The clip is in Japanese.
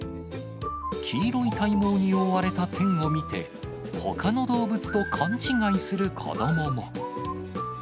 黄色い体毛に覆われたテンを見て、ほかの動物と勘違いする子どもも。